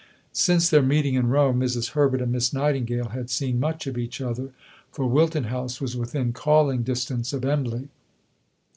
Since their meeting in Rome, Mrs. Herbert and Miss Nightingale had seen much of each other, for Wilton House was within calling distance of Embley.